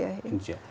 iya iya indonesia